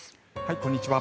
こんにちは。